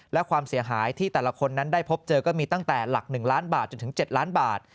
และความเสียหายที่แต่ละคนนั้นได้พบเจอก็มีตั้งแต่หลัก๑ล้านบาทจนถึง๗ล้านบาท